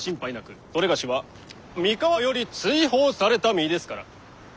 某は三河より追放された身ですから。